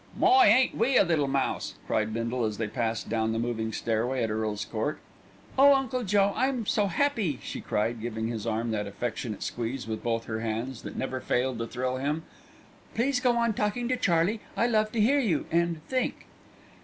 "My! ain't we a little mouse!" cried Bindle as they passed down the moving stairway at Earl's Court. "Oh, Uncle Joe, I'm so happy!" she cried, giving his arm that affectionate squeeze with both her hands that never failed to thrill him. "Please go on talking to Charlie; I love to hear you and think."